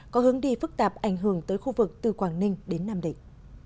có hướng đi phức tạp ảnh hưởng tới khu vực từ quảng ninh đến nam định